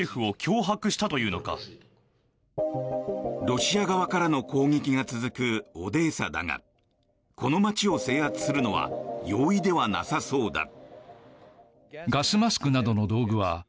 ロシア側からの攻撃が続くオデーサだがこの街を制圧するのは容易ではなさそうだ。